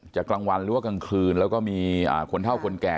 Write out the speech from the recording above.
จากกลางวันหรือกลางคืนแล้วก็คนเท่าคนแก่